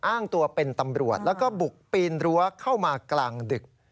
อ้างตัวเป็นตำรวจแล้วก็บุกปีนรั้วเข้ามากลางดึก